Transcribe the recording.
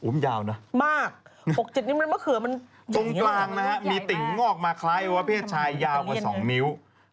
มันยาวนะตรงกลางมีติ่งงอกมาคล้ายแบบว่าเพศชายยาวกว่า๒นิ้ว